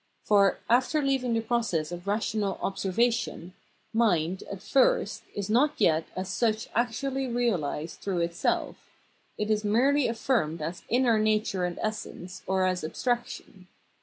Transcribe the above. For, ' after leaving the process of rational Observation, mind, at first, is not yet as such actually realised through itself ; it is merely afiirmed as inner nature and essence, or as abstraction.